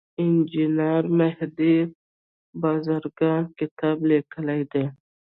انجینیر مهدي بازرګان کتاب لیکلی دی.